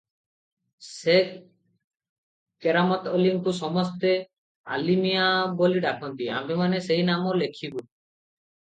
ସେଖ କେରାମତ୍ ଅଲିଙ୍କୁ ସମସ୍ତେ ଆଲିମିଆଁ ବୋଲି ଡାକନ୍ତି, ଆମ୍ଭେମାନେ ସେହି ନାମ ଲେଖିବୁ ।